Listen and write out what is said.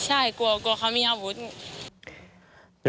ใช่กลัวเขามีอาวุธ